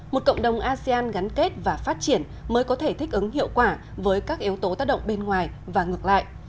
một cộng đồng asean gắn kết và phát triển mới có thể thích ứng hiệu quả với các yếu tố tác động bên ngoài và ngược lại